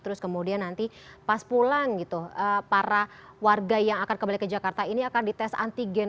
terus kemudian nanti pas pulang gitu para warga yang akan kembali ke jakarta ini akan dites antigen